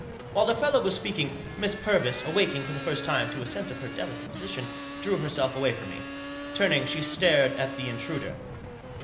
While the fellow was speaking, Miss Purvis, awaking, for the first time, to a sense of her delicate position, drew herself away from me. Turning, she stared at the intruder.